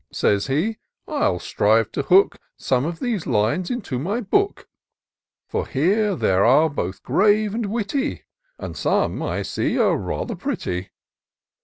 said he, "FU strive to hook Some of these lines into my book : For here there are both grave and witty, And some, I see, are rather pretty."